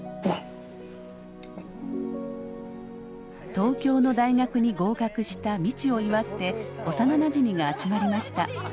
東京の大学に合格した未知を祝って幼なじみが集まりました。